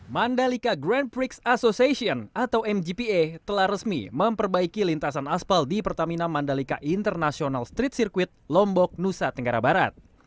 mandalika grand prix association atau mgpa telah resmi memperbaiki lintasan aspal di pertamina mandalika international street circuit lombok nusa tenggara barat